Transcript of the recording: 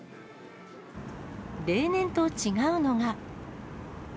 例年と違うのが。